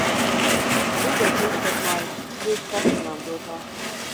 Rīgā trūkstot maize, arī uz kartiņām dotā.